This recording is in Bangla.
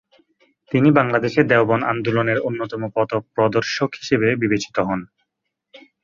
তিনি বাংলাদেশে দেওবন্দ আন্দোলনের অন্যতম পথপ্রদর্শক হিসেবে বিবেচিত হন।